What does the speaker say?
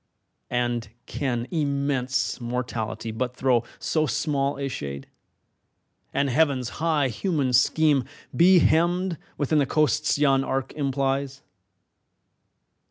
And can immense Mortality but throw So small a shade, and Heaven's high human scheme Be hemmed within the coasts yon arc implies?